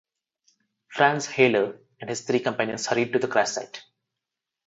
Franz Hailer and his three companions hurried to the crash site.